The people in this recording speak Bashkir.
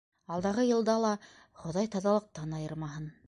Алдағы йылда ла Хоҙай таҙалыҡтан айырмаһын.